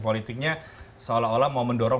politiknya seolah olah mau mendorong